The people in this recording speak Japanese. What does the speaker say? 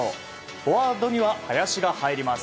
フォワードには林が入ります。